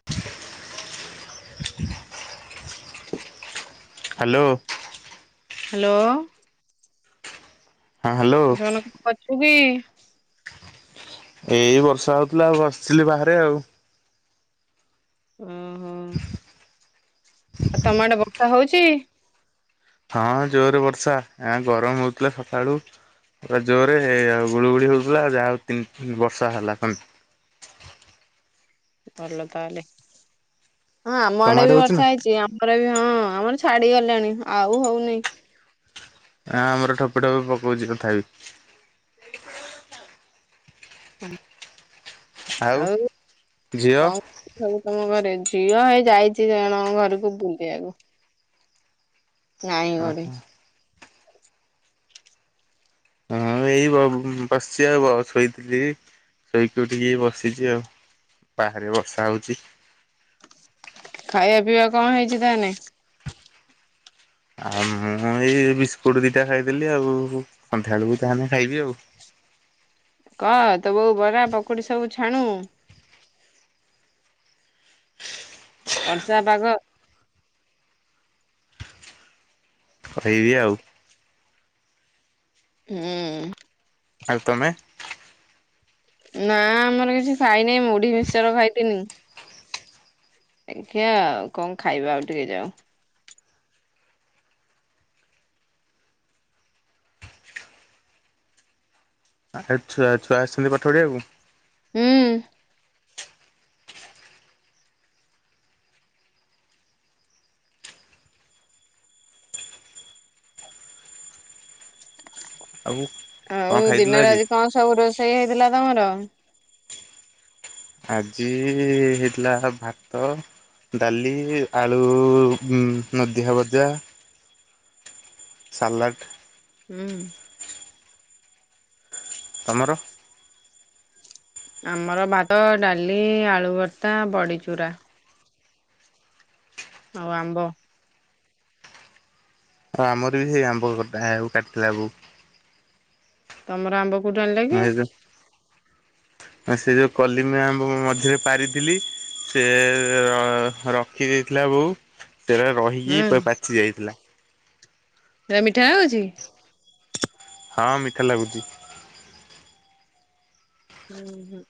[inaudible] Hello. Hello. ହଁ hello ସେମାନେ କଣ କରୁଛତି? ଏଇ ବର୍ଷା ହଉଥିଲା ଆଉ ବସିଥିଲି ବାହାରେ ଆଉ। ଓ ହୋ ଆଉ ତମଆଡ଼େ ବର୍ଷା ହଉଚି? ହଁ ଜୋରେ ବର୍ଷା, ଆ ଗରମ ହଉଥିଲା ସକାଳୁ ପୁରା ଜୋରରେ ହେ ଆଉ ଗୁଳୁଗୁଳି ହଉଥିଲା ଯାହା ହଉ ତିନି ବର୍ଷା ହେଲା କେମ ଭଲ ତାହେଲେ ହଁ ଆମ ତମ ଆଡେ ବି ହଉଛି ନା ବର୍ଷା ହେଇଛି। ପରେ ବି ହଁ ଆମର ଛାଡିଗଲାଣି ଆଉ ହଉନି। ନା ଆମର ଠୋପେ ଠୋପେ ପକଉଛି ତଥାପି। ଆଉ ହଁ, ଝିଅ ଆଉ କଣ? ସବୁ ତମ ଘରେ ଝିଅ ହେଇ ଯାଇଛି ଜଣ ଘରକୁ ବୁଲିବାକୁ। ନାଇଁ ଘରେ। ହୁଁ ମୁଁ ଏଇ ବ ବସିଛି ଆଉ ଶୋଇଥିଲି ଶୋଇକି ଉଠିକି ବସିଛି ଆଉ। ବାହାରେ ବର୍ଷା ହଉଛି। ଖାଇବା ପିଇବା କଣ ହେଇଛି ତାହାନେ? ଆଉ ମୁଁ ଏଇ ବିସ୍କୁଟ ଦିଇଟା ଖାଇଥିଲି ଆଉ ସନ୍ଧ୍ୟାବେଳକୁ ଯାହେନେ ଖାଇବି ଆଉ। କଅ ତୋ ବୋଉ ବରା ପକୁଡି ସବୁ ଛାଣୁ। ବର୍ଷା ପାଗ। କହିବି ଆଉ। ହୁଁ ଆଉ ତମେ? ନା ଆମର କିଛି ଖାଇନେଇ ମୁଁଢି ମିସର ଖାଇଥିନି। ଆଜ୍ଞା ଆଉ କଣ ଖାଇବା ଆଉ ଟିକେ ଯାଉ? ଆଉ ଖାଲି ଛୁଆ ଛୁଆ ଆସିଛନ୍ତି ପାଠ ପଢ଼ିବାକୁ। ହୁଁ ଆଉ କଣ ଆଉ ଖାଇଥିଲ ଦିନରେ ଆଜି କଣ ସବୁ ରୋଷେଇ ହେଇଥିଲା ତମର ଆଜି ହେଇଥିଲା ଭାତ ଡାଲି ଆଳୁ ନଦିଆ ଭଜା ସଲଡ଼୍ ହୁଁ ତୁମର ଆମର ଭାତ ଡାଲି ଆଳୁଭର୍ତ୍ତା ବଡ଼ିଚୂୁରା ହଉ ଆମ୍ବ ଆଉ ଆମର ବି ସେଇ ଆମ୍ବଡା ହେବକୁ କାଟିଥିଲା ବବକୁ ତମର ଆମ୍ବ କୋଉଠୁ ଆଣିଲ ନେ କି? ଯ ସେ ଯୋଉ କଲିମ ମଝରେ ପାରିଥିଲି ସେ ରଖି ଦେଇେଇଥିଲା ବୋଉ ସେଟ ରହିକି ହୁଁ ପାଚି ଯାଇଥିଲା ଏ ମିଠା ଅଛି ହଁ ମିଠା ଲାଗୁଛି ହୁଁ ହୁଁ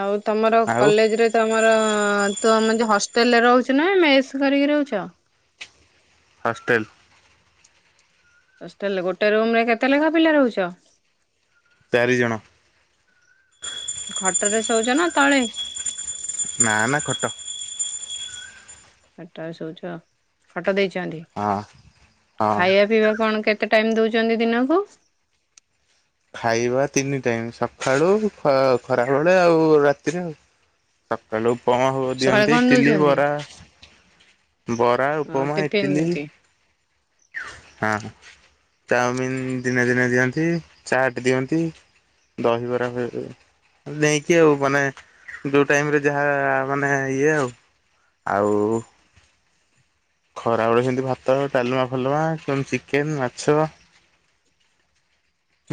ଆଉ ତମର ଆଉ କଲେଜ ରେ ତମର ତୁ ଆମ ଯ ହଷ୍ଟେଲ ରେ ରହୁଛୁ ନା ମେସ୍ କରିକି ରହୁଛ? ହଷ୍ଟେଲ୍। ଗୋଟେ ରୁମ ରେ କେତେ ଲେଖା ପିଲା ରହୁଛ? ଚାରିଜଣ। ଖଟରେସ ହଉଛ ନା ତଳେ? ନା ନା ଖଟ। ଖଟା ଶଉଛ ଖଟ ଦେଇଛନ୍ତି? ହଁ ହଁ। ଖାଇବା ପିଇବା କଣ କେତେ ଟାଇମ ଦଉଛନ୍ତି ଦିନକୁ? ଖାଇବା ତିନି ଟାଇମ ସକାଳୁ ଖରାବେେଳେ ଆଉ ରାତିରେ ଆଉ। ସକାଳୁ ପମା ସକାଳେ ଦିଅନ୍ତି କଣ ଇଟିଲି ଦଉଛନ୍ତି? ବରା ବରା ହଁ ଉପମା ଟିଫିନ ଇତିଥିଲି। କେମିତି? ହଁ ଚାଉମିିନ ଦିନେ ଦିନେ ଦିଅନ୍ତି ଚାଟ ଦିଅନ୍ତି। ଦହିବରା ହ ନେଇକି ଆଉ ମାନେ ଯଉ ଟାଇମରେ ଯାହା ମାନେ ଇଏ ଆଉ ଆଉ ଖରାବେଡେ ସେମିତି ଭାତ ଡାଲମା ଫାଲୁମା ଚିକେନ ମାଛ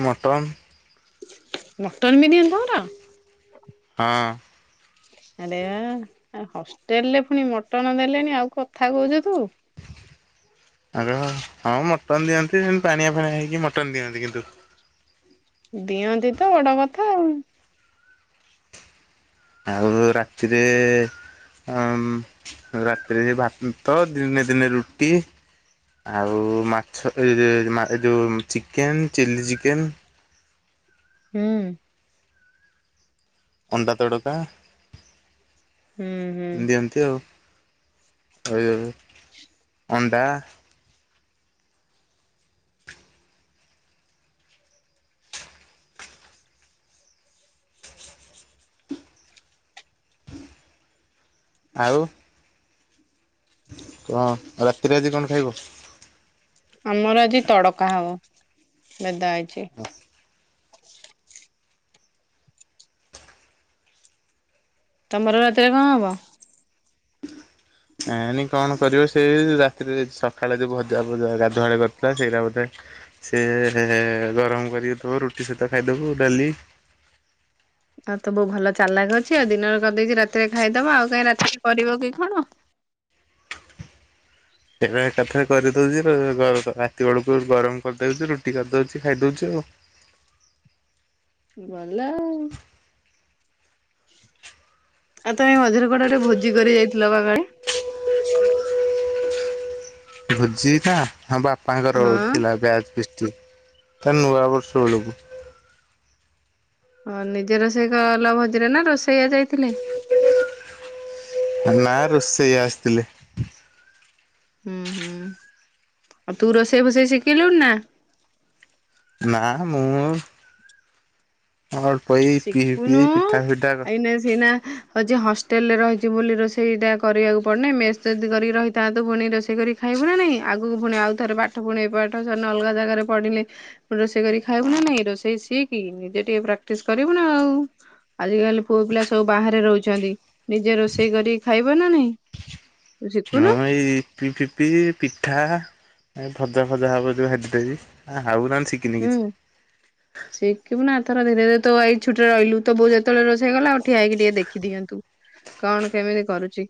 ମଟନ୍ ଡକ୍ଟର ବି ନିିଅନ୍ତ ନା? [inaudible] ଆରେ ହଷ୍ଟେଲରେ ପୁଣି ମଟନ ଦେଲେଣି ଆଉ କଥା କହୁଛୁ ତୁ। ଆଗ ହଁ ମଟନ ଦିଅନ୍ତି ସେତି ପାଣିଆ ଫାଣିଆ ହେଇକି ମଟନ ଦିଅନ୍ତି କିନ୍ତୁ। ଦିଅନ୍ତି ତ ବଡ କଥା ଆଉ। ଆଉ ରାତିରେ ଆ ରାତିରେ ଭାତ ଦିନେ ଦିନେ ରୁଟି ଆଉ ମାଛ ଯେଉଁ ଚିକେନ୍ ଚିଲ୍ଲି ଚିକେନ୍ ହୁଁ। ଅଣ୍ଡା ତଡକା ହୁଁ ହୁଁ। ଏମତି ଦିଅନ୍ତି ଆଉ। ଆ ଅଣ୍ଡା ଆଉ କଣ ରାତିରେ ଆଜି କଣ ଖାଇବ? ଆମର ଆଜି ତଡକା ହଉ ଭେଦା ହେଇଛି। ହଁ। ତମର ରାତିରେ କଣ ହବ? ଏ ନାଇ କଣ କରିବ ସେଇ ରାତିରେ ସକାଳେ ଯୋଉ ଭଜା ଗାଧୁଆଳି କରିୁଥିଲା ସେଇଟା ବୋଧେ ସେି ଗରମ କରିଥବ ରୁଟି ସହିତ ଖାଇଦେବୁ ଡାଲି। ଆଉ ତ ବୋଉ ଭଲ ଚାଲାକ ଅଛି। ଆଉ ଦିନରେ କରିଦେଇକଛି ରାତିରେ ଖାଇଦବ। ଆଉ କାହିଁ ରାତିରେ କରିବ କି କଣ? ସେଟ ଏକାଥ କରିଦଉଛି। ରାତି ବେଳକୁ ଗରମ କରିଦଉଛି। ରୁଟି କରିଦଉଛି ଖାଇଦଉଛି ଆଉ। ଭଲ। ଆଉ ତମେ ମଝରଗଡ଼ଟରେ ଭୋଜି କରି ଯାଇଥିଲ ବାକାଳେ? ଭୋଜି ତ ବାପାଙ୍କର ହଁ ଥିଲା ବ୍ୟାଜ ପିଷ୍ଟି। ତା ନୂଆ ବର୍ଷ ବେଳକୁ। ହଁ ନିଜେ ରୋଷେଇ କଲ ଭଜିରେ ନା ରୋଷେଇଆ ଯାଇଥିଲେ? ନା ରୋଷେଇଇ ଆସିଥିଲେ। ହୁଁ, ହୁଁ। ଆଉ ତୁ ରୋଷେଇ, ଭଷେଇ ଶିଖେଇିଲୁଣି ନା? ନା ମୁଁ ଅଳ୍ପ ଏଇ ପି ପିଇ ପିଠା ଫିଠା। ନ ସେନା। ହଉ ଯିଏ ହଷ୍ଟେଲରେେ ରହିଛି ବୋଲି ରୋଷେଇଟା କରିବାକୁ ପଡ଼ିନାହିଁ। ମେସ୍ ଯଦି କରିକି ରହିଥାନ୍ତ ପୁଣି ରୋଷେଇ କରି ଖାଇବୁ ନାହିଁ। ଆଗକୁ ପୁଣି ଆଉ ଥରେ ପାଠ ପୁଣି ଏ ପାଠ ସେ ଅଲଗା ଜାଗାରେ ପଢ଼ିଲେ ରୋଷେଇ କରି ଖାଇବୁ ନା ନାଇଁ। ରୋଷେଇ ସିଏକି ନିଜେ ଟିକେ ପ୍ରାକ୍ଟିସ କରିବୁ ନା ଆଉ। ଆଜିକାଲି ପୁଅ ପିଲା ସବୁ ବାହାରେ ରହୁଛନ୍ତି। ନିଜେ ରୋଷେଇ କରିକି ଖାଇବ ନା ନାହିଁ। ନଁ [unintelligible] ପିପି ଫିପି ପିଠା, ଭଜା, ଫଜା ହବ ଯ ହାାରଦବି ଆ ହଉନା ଶ। ହୁଁ। ଶିଖିବୁ ନାଥର ଧୀରେ ଧୀରେ ତ ଏଇ ଛୁଟିରେ ରହିଲୁ। ତବୁଉତେବେଳେ ରୋେଇ ଗଲା ଉଉଠିଆକ ଟିକେ ଦେଖିଦିଅନ୍ତୁ। କଣ କେମିତି କରୁଛି।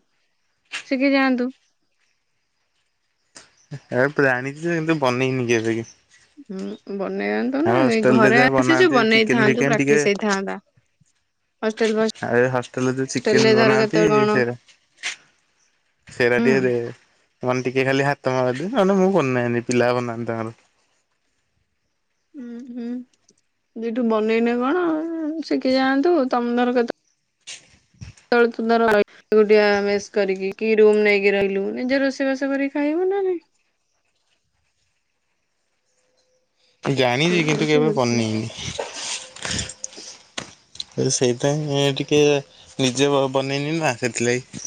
ଶିଖି ଯାଆନ୍ତୁ। ଏ ପ୍ରାଣିଛି ତ କିନ୍ତୁ ବନେଇନି କି ଏବେ କି। ହୁଁ ବନେଇଥାାଆନ୍ତୁ। ଆଉ ନା ଏ ହଷ୍ଟେଲରେ ଘରେ ଯାହା ଆସିଛୁ ବନାନ୍ତି ଚିକେନ ବନେଇଥାନ୍ତୁ ଫିକେନ ଟିକେ ପ୍ରାକ୍ଟିସ ହେଇଥାନ୍ତା। ହଷ୍ଟେଲ ଆଉ ଏ ହଷ୍ଟେଲରେ ଯୋଉ ଫଷ୍ଟେଲରେ ଚିକେନ ଧର ବନାନ୍ତି କେତେବେଳେ କଣ ସେଟା। ହୁଁ ସେରାଟିରେ [unintelligible] ମାନେ ଟିକେ ଖାଲି ହାତ ମାରଦି ନେ ମୁଁ କରିୁନାଁନି ପିଲା କରିନାହାନ୍ତି ତାଙ୍କର। ହୁଁ ହୁଁ [inaudible] ଯିଠୁ ବନେଇନେ କଣ ଶିଖି ଯାଆନ୍ତୁ। ତମନର କଥା। ଳ ସୁନ୍ଦର ର [unintelligible] ଗୋ ଆମେ କରିକି କି ରୁମ ନେଇକି ରହିଲୁ ନିଜେ ରୋଷେଇବାସ କରିକି ଖାଇବୁ ନା ନାଇଁ। ଜାଣିଛି ଏଇଆ କିନ୍ତୁ ହଉଛି କେବେ କଥା। ପନେଇନି। ସେଇପାଇଁ ଟିକେ ନିଜେ ବନେଇନି ନା ସେଥିଲାଗି।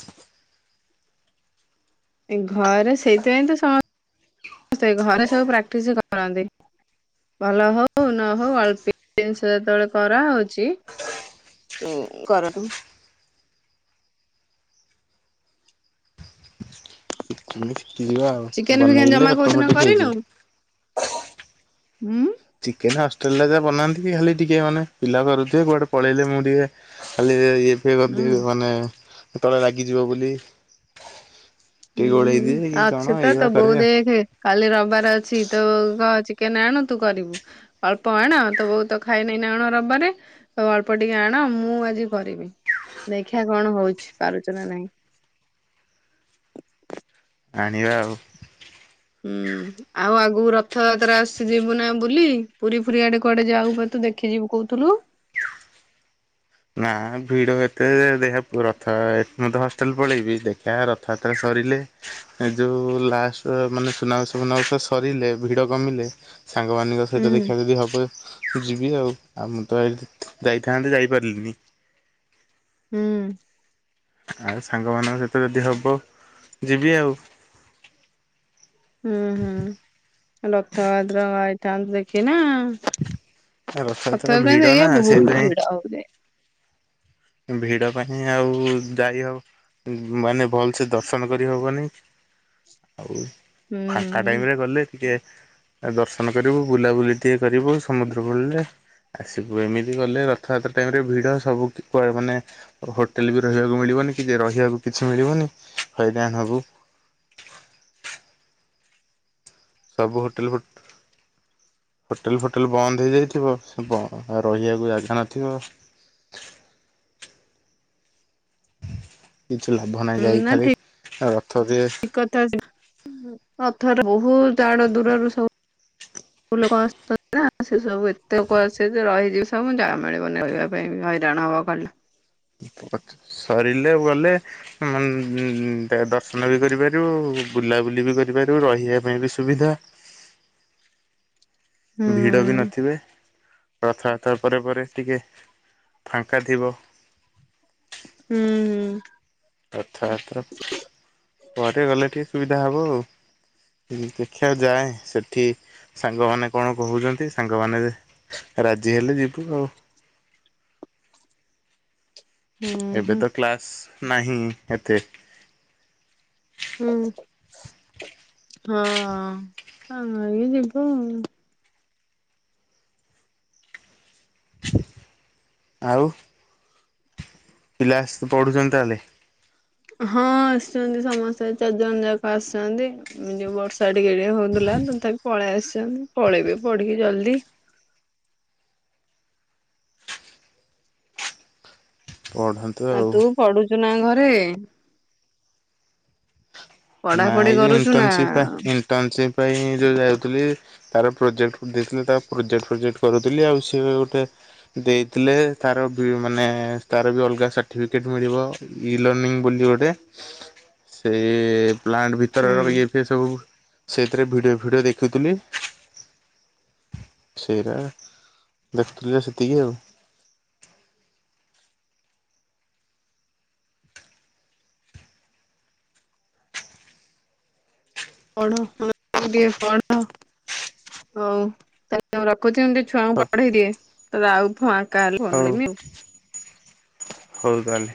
ଘରେ ସେଇଥିପାଇଁ ତ ସମସ୍ତେ ସମସ୍ତେ ଘରେ ସବୁ ପ୍ରାକ୍ଟିସ କରନ୍ତି। ଭଲ ହଉ ନ ହଉ ଅଳ୍ପ ଜିନିଷ ଯେତେବେଳେ କରାହେଉଛି। ତୁ କର ତୁ। ଶିକମି ଶିଖିଯିବା ଆଉ। ଚିକେନ ଫିକେନ ବନେଇଲେ ଜମା କୋଉଦିନ ଅଟୋମେଟିକ୍ କରିନୁ? ହେଇଯିବ। ହୁଁ ଚିକେନ ଅଷ୍ଟ୍ରେଲିଆ ଯା ବନାନ୍ତି କି ଖାଲି ଟିକେ ମାନେ ପିଲା କରୁଥେ କୁଆଡେ ପଳେଇଲେ ମୁଁ ଟିକେ। ଖାଲି ଇଏ କରିଦି ହୁଁ ମାନେ ତଳେ ଲାଗିଯିବ ବୋଲି। ଟିକେ ଗୋଳେଇ ହୁଁ ଦିଏ କି କଣ ଆକ୍ଷୁତା ଏଇଭଳିଆ ତ ବହୁ କରେ ଆଉ ଦେଖ। କାଲି ରବିବାର ଅଛି ତୁ କ ଚିକେନ ଆଣୁ ତୁ କରିବୁ। ଅଳ୍ପ ଆଣ ତ ବହୁତ ତ ଖାଇନାଇ ନା ଆଣ ରବିବାରେ? ଅଳ୍ପ ଟିକେ ଆଣ। ମୁଁ, ଆଜି କରିବି। ଦେଖିବା କଣ ହଉଛି। ପାରୁଛ ନା ନାହିଁ। ଆଣିବା ଆଉ। ହୁଁ। ଆଉ ଆଗକୁ ରଥଯାତ୍ରା ଆସିଯିବୁ ନା ବୁଲି ପୁରୀ ପୁରୀ ଆଡେ କୁଆଡେ ଯାଉ ତୁ ଦେଖିଯିବୁ କହୁଥିଲୁ। ନା ଭିଡ ଏତେ ଦେଖ ରଥ ମତେ ହଷ୍ଟେଲ ପଳେଇବି। ଦେଖା ରଥଯାତ୍ରା ସରିଲେ। ଯୋଉ ଲାଷ୍ଟ ମାନେ ସୁନାଉ ଫନାଉ ସରିଲେ ଭିଡ କମିଲେ। ସାଙ୍ଗମାନଙ୍କ ହୁଁ ସହିତ ଦେଖିବାକୁ ଯଦି ହବ ମୁ ଯିବି ଆଉ। ଆଉ ମୁଁ ତ ଯାଇଥାନ୍ତେ ଯାଇ ବରଲି ହୁଁ ଆଉ ସାଙ୍ଗମାନଙ୍କ ସହିତ ଯଦି ହବ ଯିବି ଆଉ ହୁଁ ହୁଁ ରକ୍ତ ଭଦ୍ର ହେଇଥାନ୍ତୁ ଦେଖି ନା ରଥଯାତ୍ରା ପତ ଦ ଭିଡ଼ ନା ଏଇ ବବହୁତ ସେଇଥିପାଇଁ ବିଡ଼ା ଭିଡ ପାଇଁ ଆଉ ଯାୟୀ ହଉ ମାନେ ଭଲସେ ଦର୍ଶନ କରି ହବନି ଆଉ ହୁଁ ଏକା ଟାଇମେ ଗଲେ ଟିକେ ଦର୍ଶନ କରିବୁ ବୁଲାବୁଲି ଟିକେ କରିବୁ ସମୁଦ୍ର ବୋଳିଲେ ଆସିବୁ ଏମିତି ଗଲେ ରଥଯାତ୍ରା ଟାଇମ ରେ ଭିଡ ସବୁ କୁଆଡ଼େ ମାନେ ହୋଟେଲ ବି ରହିବାକୁ ମିଳିବନି କି ରହିବାକୁ କିଛି ମିଳିବନି ହଇରାଣ ହେବ ସବୁ ହୋଟେଲ ଫ ହୋଟେଲ ଫୋଟେଲ ବନ୍ଦ ହେଇଯାଇଥିବ ସେ ରହିବାକୁ ଜାଗା ନଥିବ କିଛି ଲାଭ ନାହିଁ ଯାଇ ଖାଲି ରଥରେ ଥା ଅଥର ବହୁ ଜାଡ ଦୂରରୁ ସବୁ ହଁ ଲୋକ ଆସୁଛନ୍ତି ନା ସେ ସବୁ ଏତେ ଲୋକ ଆସେ ଯେ ରହିଯିବ ସବୁ ଯାହା ମିଳିବନ ରହିବା ପାଇଁ ହଇରାଣ ହବ କହିଲ ସରିଲେ ଗଲେ ଦର୍ଶନ ବି କରିପାରିବୁ ବୁଲାବୁଲି ବି କରିପାରିବୁ ରହିବା ପାଇଁ ବି ସୁବିଧା ହୁଁ ଭିଡ଼ ବି ନଥିବେ ରଥବାର୍ତ୍ତା ପରେ ପରେ ଟିକେ ଫାଙ୍କା ଥିବ ହୁଁ ହୁଁ ରଥାବାତ୍ର ପରେ ଗଲେ ଟିକିେ ସୁବିଧା ହେବ ଆଉ ଦେଖିବାକୁ ଯାଏ ସେଠି ସାଙ୍ଗମାନେ କଣ କହୁଛନ୍ତି ସାଙ୍ଗମାନେ ରାଜି ହେଲେ ଯିବୁ ଆଉ ହୁଁ ଏବେ ହୁଁ ତ କ୍ଲାସ୍ ନାହିଁ ଏତେ ହୁଁ ହଁ ଇଏ ଯିବୁ ଆଉ ପିଲା ଆସ ତ ପଢ଼ୁଛନ୍ତି ତାହେଲେ ହଁ ଆସିୁଛନ୍ତି ସମସ୍ତେ ଚାରିଜଣ ଯାକ ଆସୁଛନ୍ତି ଯଉ ବର୍ଷା ଟିକେ ହଉଥିଲା ତମେ ତାକୁି ପଳେଇ ଆସଛ ମୁଁ ପଳେଇବି ପଢିକି ଜଲ୍ଦି ଓଡ଼ ହ ଆ ତୁ ପଢୁଛୁ ନା ଘରେ ପଢାପଢି କରୁଛୁ ନା ଟନସି ପାଇଁ ଯୋଉ ଯାଉଥିଲି ତାର ପ୍ରୋଜେକ୍ଟ ଦେଇଥିଲେ ତା ପ୍ରୋଜେକ୍ଟ ପ୍ରୋଜେକ୍ଟ କରୁଥିଲି ଆଉ ସିଏ ଗୋଟେ ଦେଇଥିଲେ ତାର ମାନେ ତାର ବି ଅଲଗା ସଟିଫିକେଟ ମିଳିବ ଇ ଲ ବୋଲି ଗୋଟେ ସେ ପ୍ଲାଣ୍ଟ ଭିତର ହୁଁ ଇଏ ଫ ସବୁ ସେଥିରେ ଭିଡ଼ିଓ ଭିଡ଼ିଓ ଦେଖୁଥିଲି ସେଇଟା ଦେଖୁଥିଲି ସେତିକି ଆଉ ପଢ ଟିକେ ପଢ ହଉ ତାଲେ ରଖୁଛି ଛୁଆଙ୍କୁ ପଢେଇ ଦିଏ ତ ଆଉଥଆ କାଲେ କନମି ଆଉ ହଉଗଲି